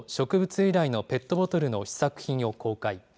由来のペットボトルの試作品を公開。